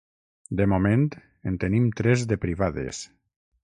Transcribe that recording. De moment, en tenim tres de privades.